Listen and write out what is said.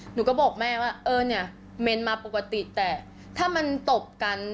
หนูก็บอกแม่ว่าเออเนี่ยเมนมาปกติแต่ถ้ามันตบกัน